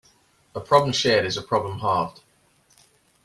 A problem shared is a problem halved.